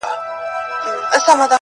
د منګولو ښخولو په څېر ګڼل کېږي